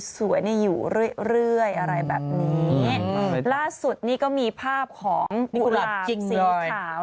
สวยอยู่เรื่อยเรื่อยอะไรแบบนี้ล่าสุดนี่ก็มีภาพของกุหลาบสีขาว